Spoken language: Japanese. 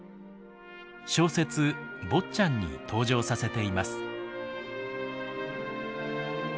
小説「坊っちゃん」に登場させています。